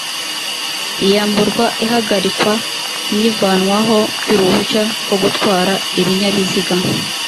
iyamburwa ihagarikwa n ivanwaho by uruhushya rwogutwara ibinyabiziga